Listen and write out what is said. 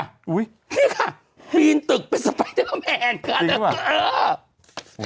นี่ค่ะปีนตึกเป็นสไปเดอร์แมนค่ะ